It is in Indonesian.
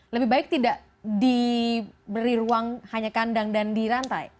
lebih baik tidak diberi ruang hanya kandang dan dirantai